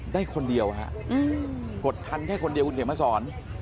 ได้คนเดียวฮะกดทันแค่คนเดียวคุณเขียนมาสอน